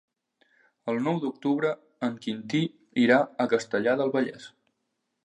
El nou d'octubre en Quintí irà a Castellar del Vallès.